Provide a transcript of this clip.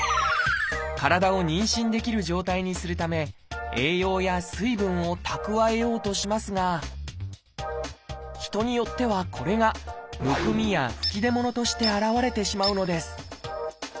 体を妊娠できる状態にするため栄養や水分を蓄えようとしますが人によってはこれがむくみや吹き出物として現れてしまうのです。